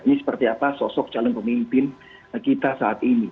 ini seperti apa sosok calon pemimpin kita saat ini